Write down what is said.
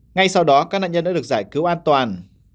ngay sau đó các nạn nhân đã được giải cứu an toàn